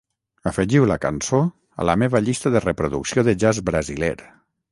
Afegiu la cançó a la meva llista de reproducció de jazz brasiler.